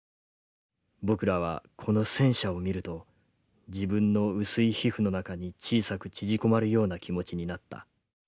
僕らはこの戦車を見ると自分の薄い皮膚の中に小さく縮こまるような気持ちになった。